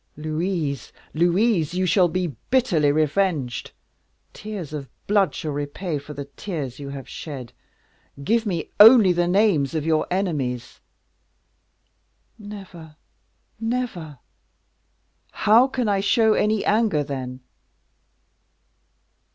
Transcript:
Louise, Louise, you shall be bitterly revenged; tears of blood shall repay you for the tears you have shed. Give me only the names of your enemies." "Never, never." "How can I show any anger, then?"